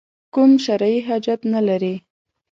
کوم شرعي قباحت نه لري.